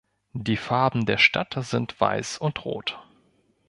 Die Farben der Stadt sind Weiß und Rot.